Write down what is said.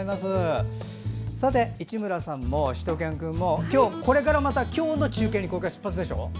市村さんもしゅと犬くんも今日、これからまた今日の中継に出発でしょ？